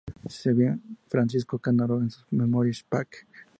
Si bien Francisco Canaro en sus Memorias pág.